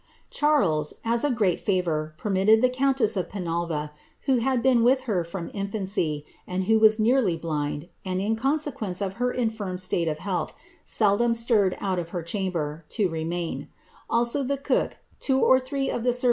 Charles, as a great favour, permitted the countess of Fenalva. who had been with her from infancy, and who was nearly blind, and, in consequence of her indrm stiitc of health, seldom stirred out of her chamber, to remain ; also the cook, two or three of the ser ' Clarendon's Life — Continuation, vol.